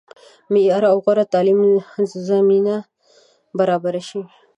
معیاري او غوره تعلیم زمینه برابره شي.